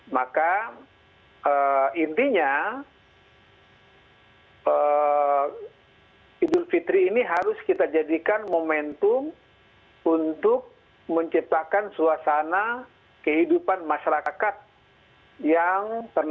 maka intinya idul fitri ini harus kita jadikan momentum untuk menciptakan suasana kehidupan masyarakat yang tenang